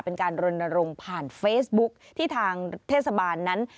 เป็นการรณรงค์ผ่านเฟซบุ๊กที่ทางเทศบาลนั้น